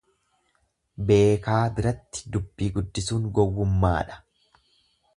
Beekaa biratti dubbii guddisuun gowwummaadha.